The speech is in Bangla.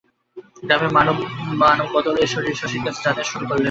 গ্রামের মান্যবরেরাও সদলে শশীর কাছে যাতায়াত শুরু করিলেন।